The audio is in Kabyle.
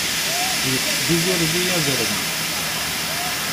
Yeṭṭef-d izirdi azrem.